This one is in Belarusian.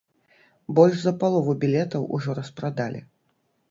Больш за палову білетаў ужо распрадалі.